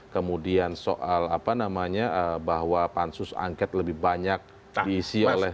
kemudian soal bahwa pansus angket lebih banyak diisi oleh